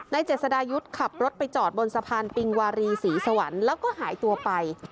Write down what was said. เจษดายุทธ์ขับรถไปจอดบนสะพานปิงวารีศรีสวรรค์แล้วก็หายตัวไป